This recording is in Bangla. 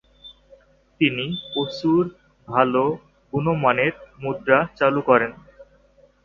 তিনি প্রচুর ভালো গুণমানের মুদ্রা চালু করেন।